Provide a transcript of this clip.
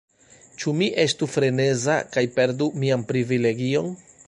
Ĉu mi estu freneza kaj perdu mian privilegion?